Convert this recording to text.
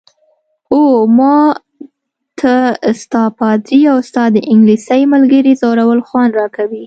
اوه، ما ته ستا، پادري او ستا د انګلیسۍ ملګرې ځورول خوند راکوي.